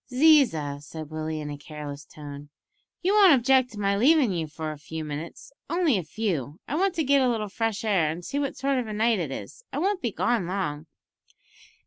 "Ziza," said Willie in a careless tone, "you won't object to my leavin' you for a few minutes; only a few; I want to get a little fresh air, an' see what sort of a night it is; I won't be long gone."